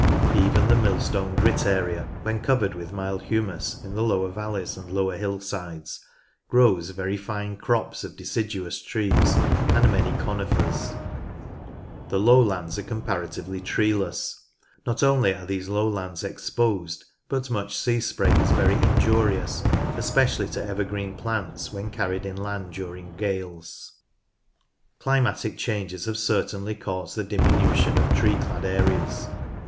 Even the Millstone Grit area, when covered with mild humus in the lower valleys and lower hillsides, grows very fine crops of deciduous trees and many conifers. AGRICULTURE FORESTRY 95 The lowlands are comparatively treeless. Not only are these lowlands exposed, but much sea spray is very injurious, especially to evergreen plants when carried inland during gales. Climatic changes have certainly caused the diminution of tree clad areas.